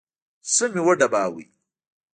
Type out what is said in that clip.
ښه مې وډباوه.